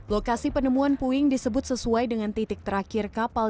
lokasi penemuan puing disebut sesuai dengan titik terakhir kapal